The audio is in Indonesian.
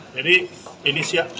jadi ini siap